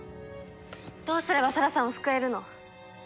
どうすれば沙羅さんを救えるの？